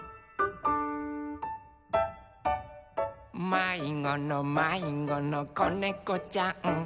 「まいごのまいごのこねこちゃん」